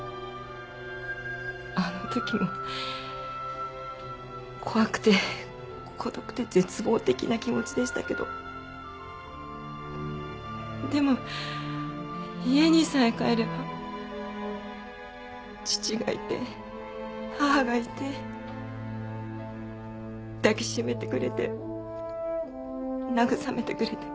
あの時も怖くて孤独で絶望的な気持ちでしたけどでも家にさえ帰れば父がいて母がいて抱きしめてくれて慰めてくれて。